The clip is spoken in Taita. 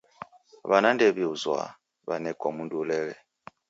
W'ana ndew'iuzwa, w'anekwa mundu ulele.